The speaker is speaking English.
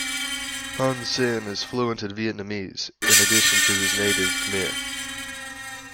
Hun Sen is fluent in Vietnamese, in addition to his native Khmer.